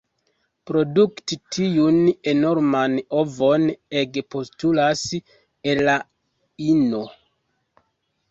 Produkti tiun enorman ovon ege postulas el la ino.